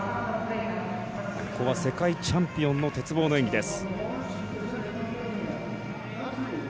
ここは世界チャンピオンの鉄棒の演技です。